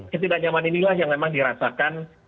ketidaknyamanan inilah yang memang dirasakan